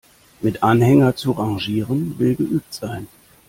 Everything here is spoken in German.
Mit Anhänger zu rangieren, will geübt sein.